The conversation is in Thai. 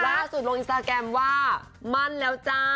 ล่าสุดลงอินสตาแกรมว่ามั่นแล้วจ้า